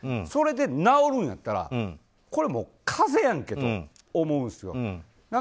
それで治るんやったらこれもう風邪やんけと思うんですよ。